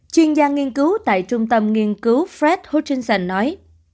chuyên gia nghiên cứu tại trung tâm nghiên cứu fred hutchinson nói